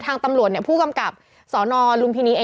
ทางตำรวจเนี่ยผู้กำกับสนลุมพินี